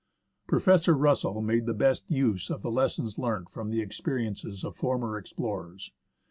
Professor Russell made the best use of the lessons learnt from the experiences of former explorers.